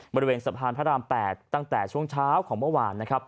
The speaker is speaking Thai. บริเวณสะพานพระราม๘ตั้งแต่ช่วงเช้าของเมื่อวานนะครับ